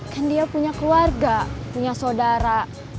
kan dia punya keluarga punya saudara